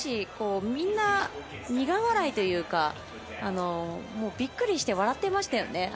みんな苦笑いというかびっくりして笑っていましたよね